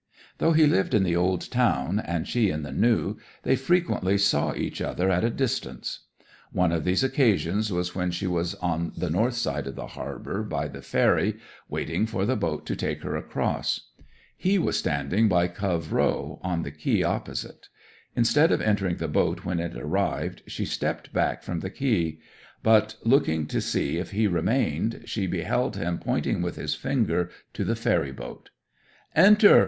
'Though he lived in the old town, and she in the new, they frequently saw each other at a distance. One of these occasions was when she was on the north side of the harbour, by the ferry, waiting for the boat to take her across. He was standing by Cove Row, on the quay opposite. Instead of entering the boat when it arrived she stepped back from the quay; but looking to see if he remained she beheld him pointing with his finger to the ferry boat. '"Enter!"